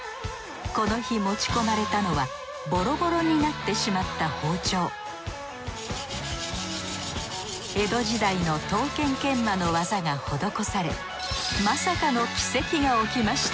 この日持ち込まれたのはボロボロになってしまった包丁江戸時代の刀剣研磨の技が施されまさかの奇跡が起きました